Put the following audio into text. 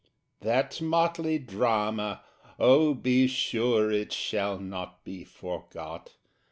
That motley drama oh, be sure It shall not be forgot!